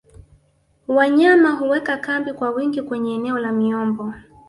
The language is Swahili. wanyama huweka kambi kwa wingi kwenye eneo la miombo